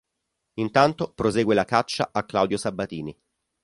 Intanto prosegue la caccia a Claudio Sabatini.